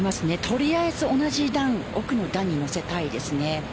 とりあえず同じ段奥の段に乗せたいですね。